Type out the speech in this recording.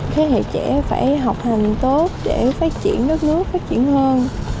thế hệ trẻ phải học hành tốt để phát triển đất nước phát triển hơn